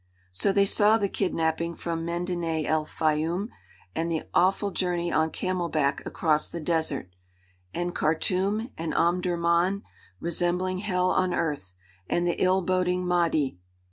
So they saw the kidnapping from Medinet el Fayûm and the awful journey on camel back across the desert and Khartûm and Omdurmân, resembling hell on earth, and the ill boding Mahdi.